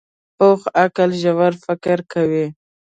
پوخ عقل ژور فکر کوي